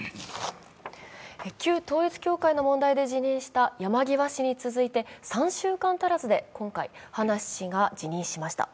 旧統一教会の問題で辞任した山際氏に続いて３週間足らずで今回葉梨氏が辞任しました。